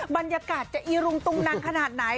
บรรยากาศจะอีรุงตุงนังขนาดไหน